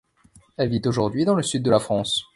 Elle vit aujourd'hui dans le sud de la France.